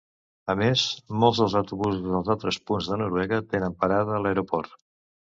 A més, molts dels autobusos des d'altres punts de Noruega tenen parada a l'aeroport.